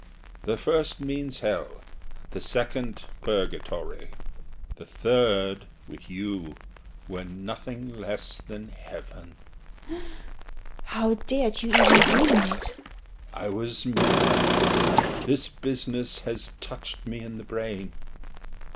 The first means hell; the second, purgatory; The third with you were nothing less than heaven! SHE, STARTING. How dared you even dream it! HE. I was mad. This business has touched me in the brain.